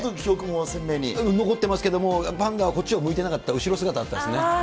残ってますけれども、パンダはこっちを向いてなかった、後ろ姿でしたね。